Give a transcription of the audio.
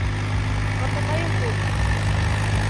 Ҡартатайым кеүек.